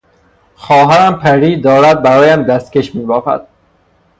خواهرم پری دارد برایم دستکش میبافد.